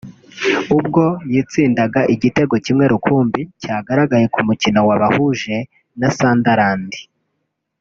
ubwo yitsindaga igitego kimwe rukumbi cyagaragaye ku mukino wabahuje na Sunderland